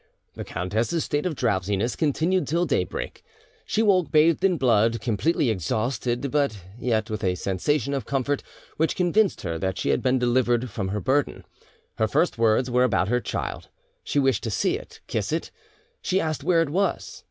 The countess's state of drowsiness continued till daybreak. She woke bathed in blood, completely exhausted, but yet with a sensation of comfort which convinced her that she had been delivered from her burden. Her first words were about her child; she wished to see it, kiss it; she asked where it was.